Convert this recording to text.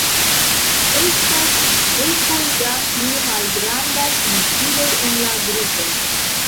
Estas dekoj da pli malgrandaj insuloj en la grupo.